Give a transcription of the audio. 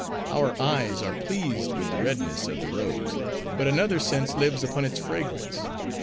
Our eyes are pleased with the redness of the rose, but another sense lives upon its fragrance.